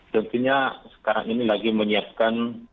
tentunya sekarang ini lagi menyiapkan